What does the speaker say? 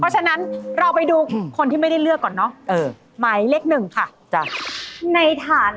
แล้วอยู่ตรงเกิน